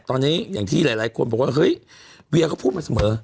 ตอนนี้อย่างที่หลายคนบอกว่าเฮ้ยเวียก็พูดมาเสมอ